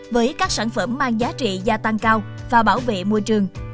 với các sản phẩm mang giá trị gia tăng cao và bảo vệ môi trường